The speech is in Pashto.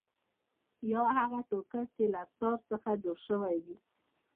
یا هغه ټوکر چې له تار څخه جوړ شوی وي.